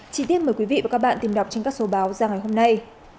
chí tiết mời quý vị và các bạn tìm đọc trên các số báo ra ngày hôm nay